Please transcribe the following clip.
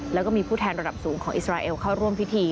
แล้วก็มีผู้แทนระดับสูงของอิสราเอลเข้าร่วมพิธี